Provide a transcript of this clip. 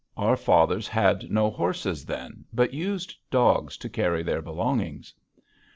Our fathers had no horses then, but used dogs to carry their belongings.